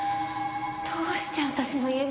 どうして私の家まで！？